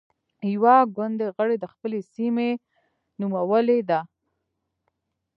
يوه ګوندي غړې د خپلې سيمې نومولې ده.